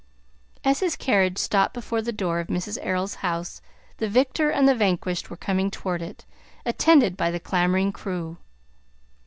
As his carriage stopped before the door of Mrs. Errol's house, the victor and the vanquished were coming toward it, attended by the clamoring crew.